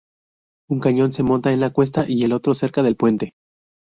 Un cañón se monta en la cuesta y el otro cerca del puente.